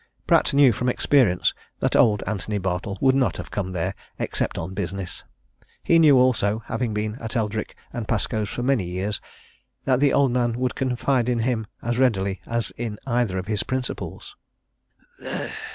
Pratt knew from experience that old Antony Bartle would not have come there except on business: he knew also, having been at Eldrick & Pascoe's for many years, that the old man would confide in him as readily as in either of his principals.